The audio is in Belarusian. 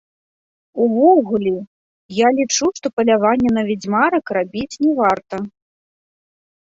Увогуле я лічу, што палявання на вядзьмарак рабіць не варта.